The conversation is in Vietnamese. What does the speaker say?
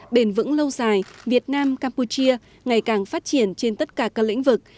bền vững lâu dài việt nam campuchia ngày càng phát triển trên tất cả các lĩnh vực